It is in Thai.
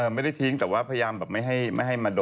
ไม่ได้ทิ้งแต่ว่าพยายามแบบไม่ให้มาโดน